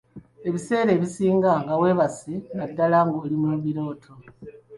Ebiseera ebisinga nga weebase naddala ng'oli mu birooto.